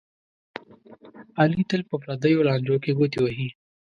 علي تل په پردیو لانجو کې ګوتې وهي.